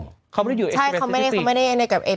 ใช่เขาไม่ได้อยู่ในเอเป็ก